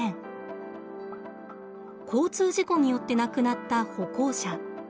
交通事故によって亡くなった歩行者。